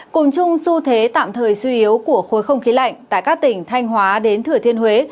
cùng chung su thế tạm thời suy yếu của khối không khí lạnh tại các tỉnh thanh hóa đến thừa thiên huế